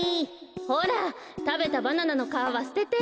ほらたべたバナナのかわはすてて！